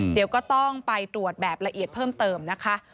เดี๋ยวก็ต้องไปตรวจแบบละเอียดเพิ่มเติมนะคะ